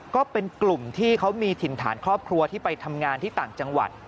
ก็เป็นกลุ่มที่เขามีถิ่นฐานครอบครัวที่ไปทำงานที่ต่างจังหวัด